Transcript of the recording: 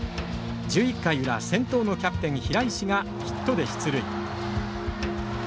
１１回裏、先頭のキャプテン・平石がヒットで出塁。